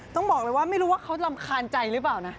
ต้องบอกเลยว่าไม่รู้ว่าเขารำคาญใจหรือเปล่านะ